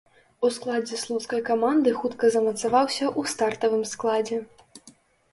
У складзе слуцкай каманды хутка замацаваўся ў стартавым складзе.